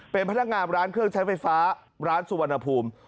เป็นพนักงานร้านเครื่องใช้ไฟฟ้าร้านสุวรรณภูมิ